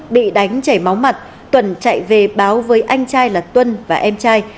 bị đánh chảy máu mặt tuần chạy về báo với anh trai là tuân và em trai